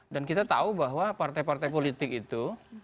dan kita tahu bahwa partai partai politik itu